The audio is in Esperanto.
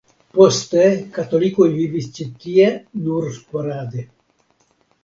Poste katolikoj vivis ĉi tie nur sporade.